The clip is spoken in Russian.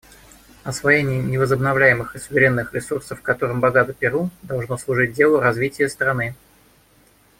Освоение невозобновляемых суверенных ресурсов, которыми богато Перу, должно служить делу развития страны.